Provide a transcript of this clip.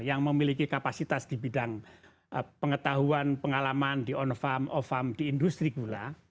yang memiliki kapasitas di bidang pengetahuan pengalaman di on farm of farm di industri gula